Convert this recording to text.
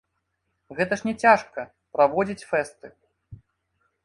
Гэта ж не цяжка, праводзіць фэсты.